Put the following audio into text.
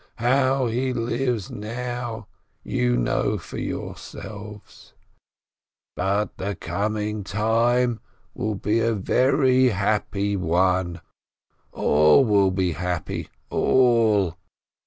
How he lives now, you know for yourselves — but the coming time will be a very happy one : all will be happy — all